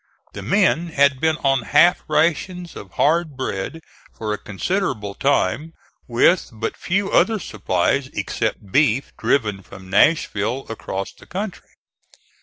The men had been on half rations of hard bread for a considerable time, with but few other supplies except beef driven from Nashville across the country.